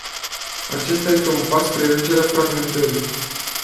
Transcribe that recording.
Acesta este un pas spre reducerea fragmentării.